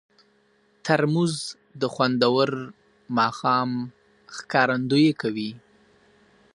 ترموز د خوندور ماښام ښکارندویي کوي.